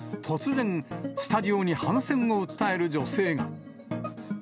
突然、スタジオに反戦を訴える女性が。